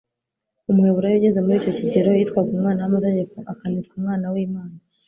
Umuheburayo ugeze muri icyo kigero, yitwaga umwana w'amategeko, akanitwa umwana w'Imana.